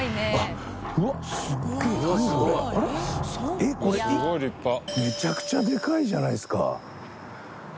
えっこれめちゃくちゃでかいじゃないですか。